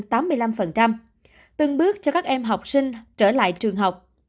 và hiện nay đang tổ chức tiêm phủ vaccine mũi một cho các em học sinh trở lại trường học